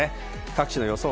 各地の予想